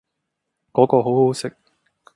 嗰個好好食